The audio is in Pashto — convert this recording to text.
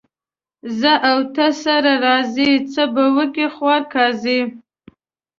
زه او ته سره راضي ، څه به وکي خوار قاضي.